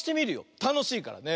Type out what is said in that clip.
たのしいからね。